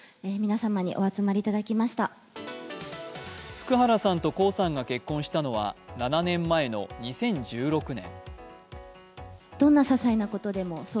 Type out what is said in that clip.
福原さんと江さんが結婚したのは７年前の２０１６年。